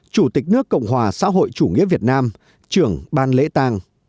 chủ tịch nước cộng hòa xã hội chủ nghĩa việt nam trưởng ban lễ tang